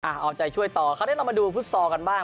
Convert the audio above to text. อ้าวเอาใจช่วยต่อเขาเรียกเรามาดูฟุตซอร์กันบ้าง